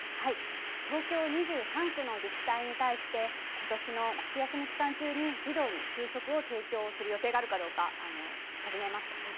東京２３区の自治体に対してことしの夏休み期間中に児童に昼食を提供する予定があるかどうか尋ねました。